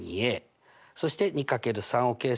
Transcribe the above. そして２×３を計算して６。